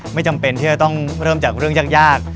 ไม่จำเป็นที่จะต้องเริ่มจากเรื่องยาก